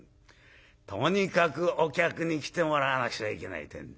とにかくお客に来てもらわなくちゃいけないてんで。